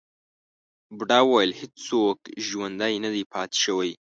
بوډا وویل هیڅوک ژوندی نه دی پاتې شوی.